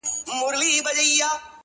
ستا د مينې ستا د عشق له برکته-